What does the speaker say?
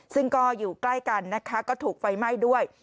ซึ่งก็อยู่ใกล้กันนะคะก็ถูกไฟไหม้ด้วย